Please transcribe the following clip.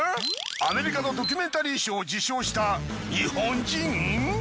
アメリカのドキュメンタリー賞を受賞した日本人？